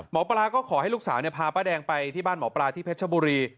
หมอปลาก็ขอให้ลูกสาวพาป้าแดงไปที่บ้านหมอปลาที่เพชรชบุรี